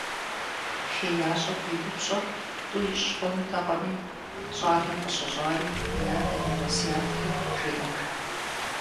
ХеящӀэм и упщӀэр тӀу ищӀ хъунутэкъыми, щӀалэм къыщыщӏари и адэм и уэсиятри жеӀэж.